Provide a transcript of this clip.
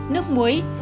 một nước muối